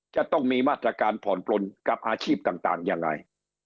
จะต้องมีมาตรการผ่อนปลนกับอาชีพต่างยังไง